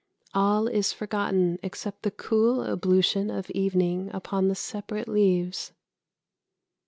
All is forgotten except the cool ablution of evening upon the separate leaves.